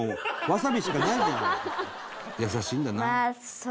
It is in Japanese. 優しいんだな。